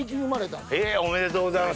おめでとうございます。